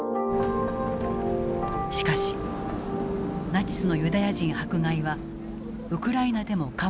しかしナチスのユダヤ人迫害はウクライナでも変わらなかった。